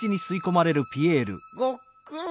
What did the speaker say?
ごっくん。